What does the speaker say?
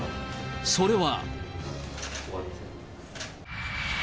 それは。